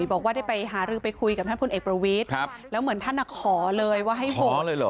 บอกว่าได้ไปหารือไปคุยกับท่านพลเอกประวิทย์แล้วเหมือนท่านขอเลยว่าให้ผมขอเลยเหรอ